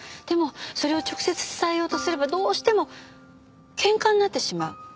でもそれを直接伝えようとすればどうしても喧嘩になってしまう。